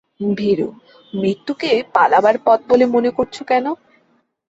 ভীরু, মৃত্যুকে পালাবার পথ বলে মনে করছ কেন?